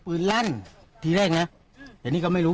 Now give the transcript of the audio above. ปืนรั้นที่แรกนะแต่นี่ก็ไม่รู้